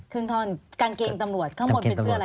กางเกงตำรวจเขาหมดเป็นเสื้ออะไรครับ